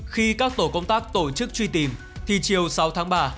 khi các tổ công tác tổ chức truy tìm thì chiều sáu tháng ba